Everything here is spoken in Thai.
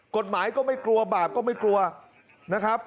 กฎหมายก็ไม่กลัวบาปก็ไม่กลัวนะครับ